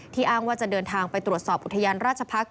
อ้างว่าจะเดินทางไปตรวจสอบอุทยานราชพักษ